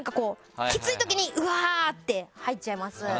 きつい時にうわーって入っちゃいます。